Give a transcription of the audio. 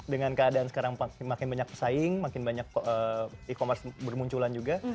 dengan keadaan sekarang makin banyak pesaing makin banyak e commerce bermunculan juga